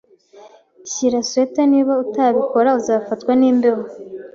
Shyira swater. Niba utabikora, uzafatwa n'imbeho.